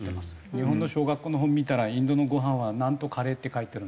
日本の小学校の本見たらインドのごはんはナンとカレーって書いてあるんですよね。